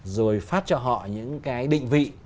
rồi phát cho họ những cái định vị